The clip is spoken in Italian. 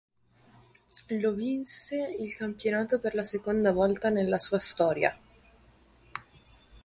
Lo vinse il campionato per la seconda volta nella sua storia.